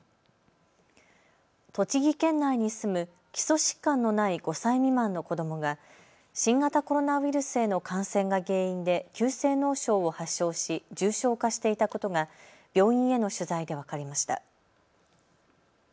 栃木県内に住む基礎疾患のない５歳未満の子どもが新型コロナウイルスへの感染が原因で急性脳症を発症し重症化していたことが病院への取材で分かりました。